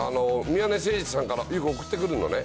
宮根誠司さんからよく送ってくるのね。